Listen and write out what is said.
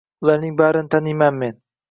Ularning barini taniyman men.